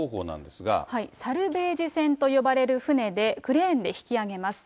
サルベージ船と呼ばれる船で、クレーンで引き揚げます。